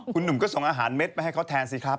คุณหนุ่มก็ส่งอาหารเม็ดไปให้เขาแทนสิครับ